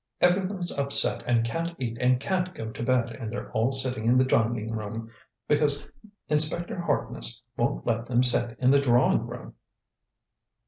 "Everyone's upset and can't eat and can't go to bed, and they're all sitting in the dining room, because Inspector Harkness won't let them sit in the drawing room."